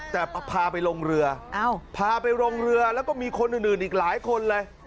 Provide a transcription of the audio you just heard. แต่พาไปลงเรือพาไปลงเรือแล้วก็มีคนอื่นอีกหลายคนเลย